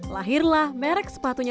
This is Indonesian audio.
lahirlah merek sepatu cowok